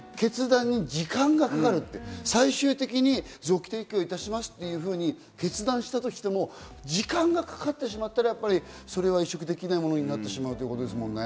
決断に時間がかかる、最終的に臓器提供しますって決断したとしても時間がかかってしまったら、それは移植できないものになってしまうってことですもんね。